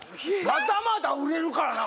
まだまだ売れるからな